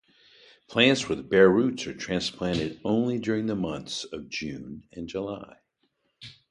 Plants with bare roots are transplanted only during the months of June and July.